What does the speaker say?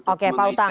oke pak utang